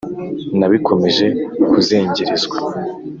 nabikomeje kuzengerezwa,